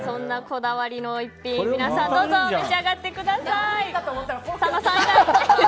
こだわりの一品、皆さんぜひ召し上がってください。